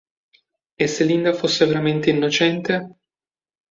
E se Linda fosse veramente innocente?